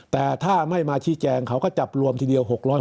แต่ถ้าไม่มาชี้แจงเขาก็จับรวมทีเดียว๖๖